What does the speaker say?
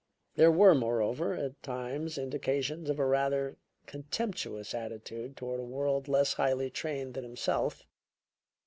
There were, moreover, at times indications of a rather contemptuous attitude toward a world less highly trained than himself.